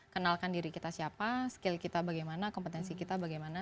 kenalkan diri kita siapa skill kita bagaimana kompetensi kita bagaimana